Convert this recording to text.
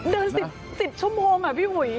เดิน๑๐ชั่วโมงอะพี่หุย